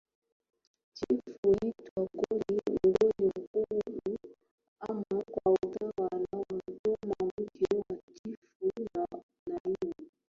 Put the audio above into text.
Chifu huitwa Mgoli Mkulu ama kwa utawala wa Choma mke wa Chifu na Naibu